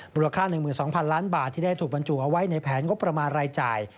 มูลค่า๑๒๐๐๐ล้านบาทที่ได้ถูกบรรจุเอาไว้ในแผนงบประมาณรายจ่าย